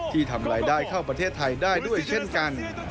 ที่ทำรายได้เข้าประเทศไทยได้ด้วยเช่นกัน